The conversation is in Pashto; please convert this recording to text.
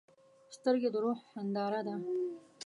سترګې د روح هنداره ده.